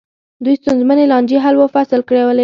دوی ستونزمنې لانجې حل و فصل کولې.